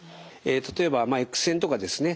例えばエックス線とかですね